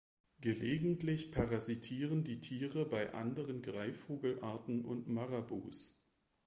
Gelegentlich parasitieren die Tiere bei anderen Greifvogelarten und Marabus.